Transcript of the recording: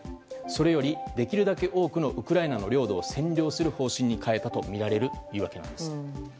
それより、できるだけ多くのウクライナの領土を占領する方針に変えたとみられるというわけなんです。